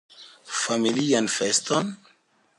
Familian feston!